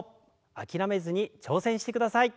諦めずに挑戦してください。